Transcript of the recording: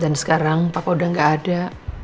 dan sekarang papa udah gak ada